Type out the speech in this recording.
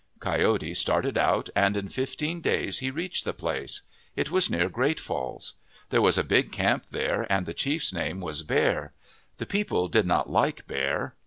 Coyote started out and in fifteen days he reached the place. It was near Great Falls. There was a big camp there and the chief's name was Bear. The people did not like Bear.